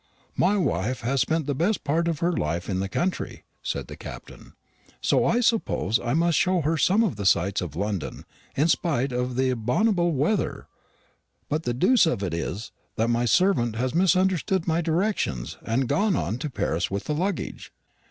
"My wife has spent the best part of her life in the country," said the Captain, "so I suppose I must show her some of the sights of London in spite of the abominable weather. But the deuce of it is, that my servant has misunderstood my directions, and gone on to Paris with the luggage.